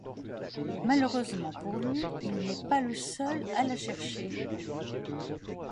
Malheureusement pour lui, il n'est pas le seul à la chercher.